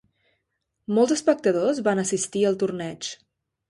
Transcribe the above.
Molts espectadors van assistir al torneig.